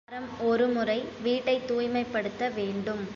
வாரம் ஒரு முறை வீட்டைத் தூய்மைப்படுத்த வேண்டும்.